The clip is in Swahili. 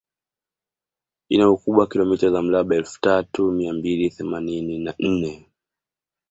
Ina ukubwa wa kilomita za mraba Elfu tatu mia mbili themanini na nne